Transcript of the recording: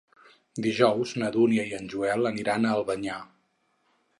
Dijous na Dúnia i en Joel aniran a Albanyà.